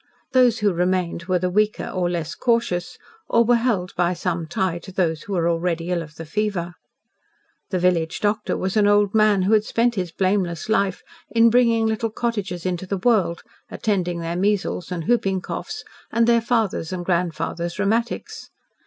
Those who remained were the weaker or less cautious, or were held by some tie to those who were already ill of the fever. The village doctor was an old man who had spent his blameless life in bringing little cottagers into the world, attending their measles and whooping coughs, and their father's and grandfather's rheumatics.